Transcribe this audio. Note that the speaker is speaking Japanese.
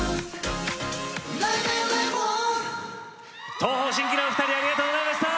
東方神起のお二人ありがとうございました。